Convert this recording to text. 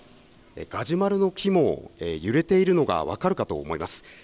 ガジュマルの木も揺れているのが分かるかと思います。